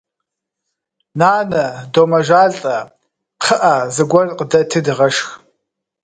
Нанэ, домэжалӏэ, кхъыӏэ, зыгуэр къыдэти дыгъэшх!